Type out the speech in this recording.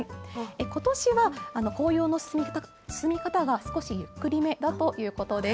ことしは紅葉の進み方が少しゆっくりめだということです。